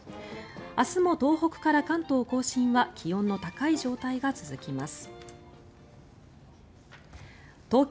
明日も東北から関東・甲信は気温の高い状態が続きます。